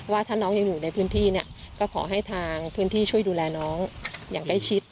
ว่าถ้าน้องยังอยู่ในพื้นที่เนี่ยก็ขอให้ทางพื้นที่ช่วยดูแลน้องอย่างใกล้ชิด